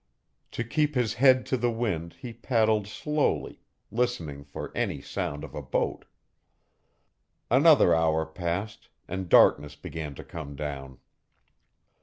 To keep his head to the wind he paddled slowly, listening for any sound of a boat. Another hour passed and darkness began to come down.